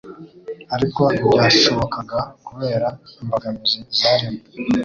ariko ntibyashobokaga kubera imbogamizi zarimo